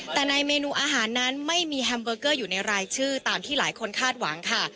แต่ในเมนูอาหารนั้นไม่มีแฮมเบอร์เกอร์อยู่ในรายชื่อตามที่หลายคนคาดหวังค่ะ